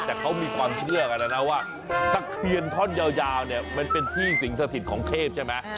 แต่เขามีความเชื่อกันนะนะว่าตะเคียนท่อนยาวเนี่ยมันเป็นที่สิงสถิตของเทพใช่ไหม